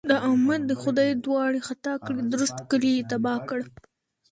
د احمد دې خدای دواړې خطا کړي؛ درست کلی يې تباه کړ.